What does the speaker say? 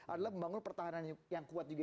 adalah membangun pertahanan yang kuat juga